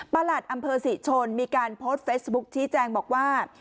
ประหลัดอำเภอศิษย์ชนภายป้องกันมีการโพสต์เฟซบุ๊กชี้แจงบอกว่า